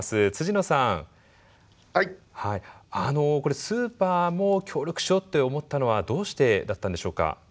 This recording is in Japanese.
野さこれスーパーも協力しようって思ったのはどうしてだったんでしょうか？